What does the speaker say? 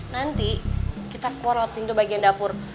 nanti kita keluar lewat pintu bagian dapur